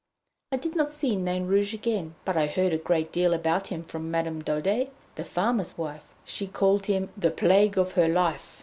I did not see Nain Rouge again, but I heard a great deal about him from Madame Daudet, the farmer's wife; she called him "the plague of her life."